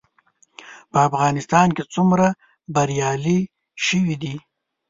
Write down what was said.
په افغانستان کې څومره بریالي شوي دي؟